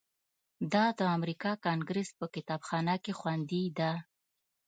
دا د امریکا کانګریس په کتابخانه کې خوندي ده.